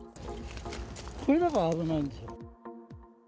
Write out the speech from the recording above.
これなんか危ないんですよ。